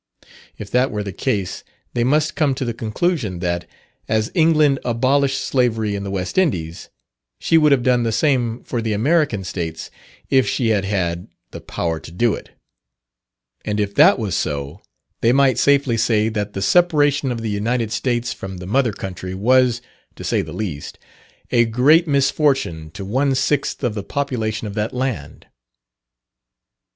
If that were the case, they must come to the conclusion that, as England abolished Slavery in the West Indies, she would have done the same for the American States if she had had the power to do it; and if that was so, they might safely say that the separation of the United States from the mother country was (to say the least) a great misfortune to one sixth of the population of that land.